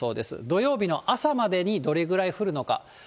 土曜日の朝までにどれくらい降るのか。